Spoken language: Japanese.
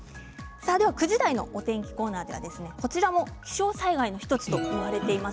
９時台のお天気コーナーではこちらも気象災害の１つといわれています